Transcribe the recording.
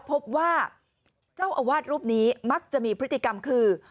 พบว่าเจ้าอาวาสรูปนี้มักจะมีพฤติกรรมคือ